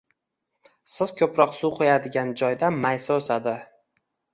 Siz ko’proq suv quyadigan joyda maysa o’sadi